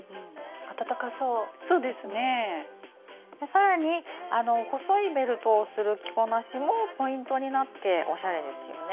更に細いベルトをする着こなしもポイントになっておしゃれですよね。